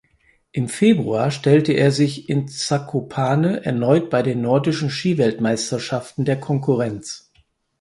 Im Februar stellte er sich in Zakopane erneut bei den Nordische Skiweltmeisterschaften der Konkurrenz.